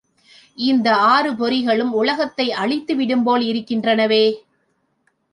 இந்த ஆறு பொறிகளும் உலகத்தை அழித்து விடும்போல் இருக்கின்றனவே!